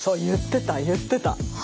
言ってた言ってた。